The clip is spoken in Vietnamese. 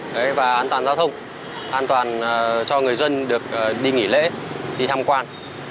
đấy và an toàn giao thông an toàn cho người dân được đi nghỉ lễ đi tham quan